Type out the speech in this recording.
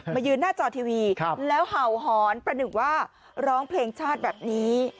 มายืนหน้าจอทีวีแล้วเห่าหอนประหนึ่งว่าร้องเพลงชาติแบบนี้